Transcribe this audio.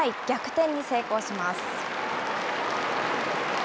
逆転に成功します。